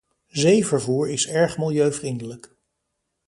Zeevervoer is erg milieuvriendelijk.